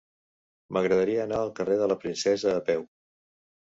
M'agradaria anar al carrer de la Princesa a peu.